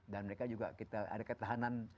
dan mereka juga kita ada ketahanan